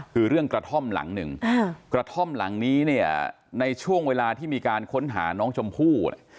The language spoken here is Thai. คือเรื่องกระท่อมหลังหนึ่งกระท่อมหลังนี้เนี่ยในช่วงเวลาที่มีการค้นหาน้องชมพู่เนี่ย